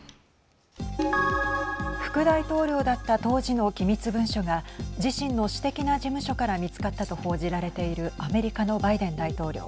副大統領だった当時の機密文書が自身の私的な事務所から見つかったと報じられているアメリカのバイデン大統領。